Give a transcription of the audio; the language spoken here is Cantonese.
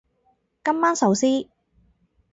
今晚壽司